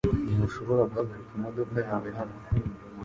Ntushobora guhagarika imodoka yawe hano .